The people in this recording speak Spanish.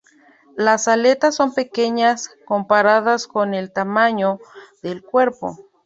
Las aletas son pequeñas comparadas con el tamaño del cuerpo.